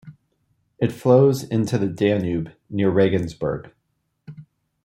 It flows into the Danube near Regensburg.